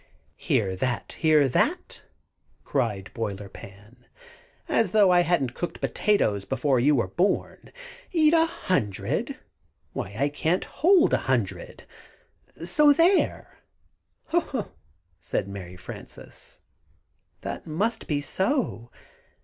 "Hear that! Hear that!" cried Boiler Pan. "As though I hadn't cooked potatoes before you were born. Eat a hundred? Why, I can't hold a hundred so there!" "Ho, ho!" said Mary Frances, "that must be so.